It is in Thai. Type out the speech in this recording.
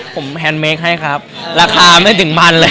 เขาบอกเค้าจ่องร้านไว้